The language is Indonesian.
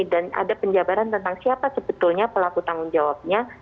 dan ada penjabaran tentang siapa sebetulnya pelaku tanggung jawabnya